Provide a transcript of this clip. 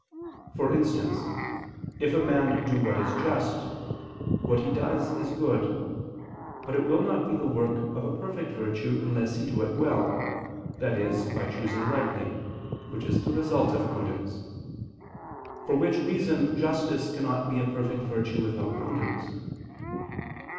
For instance, if a man do what is just, what he does is good: but it will not be the work of a perfect virtue unless he do it well, i.e. by choosing rightly, which is the result of prudence; for which reason justice cannot be a perfect virtue without prudence.